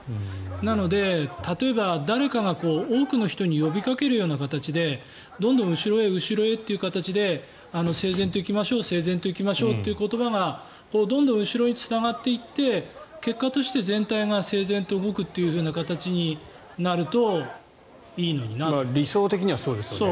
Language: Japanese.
なので、例えば誰かが多くの人に呼びかけるような形でどんどん後ろへ後ろへという形で整然と行きましょうという言葉がどんどん後ろへつながっていって結果として全体が整然と動くというふうな形になると理想的にはそうですよね。